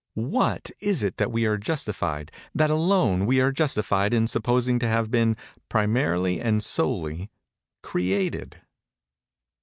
What is it that we are justified—that alone we are justified in supposing to have been, primarily and solely, created?